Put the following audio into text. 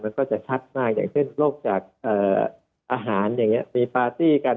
มันก็จะชัดมากอย่างเช่นโรคจากอาหารอย่างนี้มีปาร์ตี้กัน